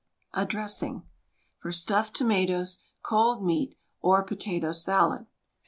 A DRESSING (For stuffed tomatoes, cold meat or potato salad.)